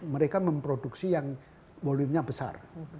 mereka memproduksi yang volume nya besar